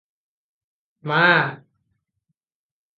ମା!